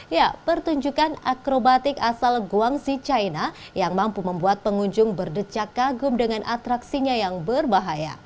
ya pertunjukan akrobatik asal guangsi china yang mampu membuat pengunjung berdecak kagum dengan atraksinya yang berbahaya